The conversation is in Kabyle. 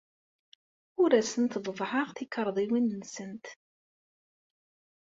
Ur asent-ḍebbɛeɣ tikarḍiwin-nsent.